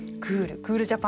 クールジャパン。